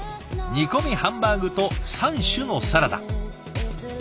煮込みハンバーグと３種のサラダ。